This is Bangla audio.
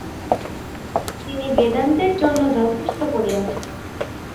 তিনি বেদান্তের জন্য যথেষ্ট করিয়াছেন।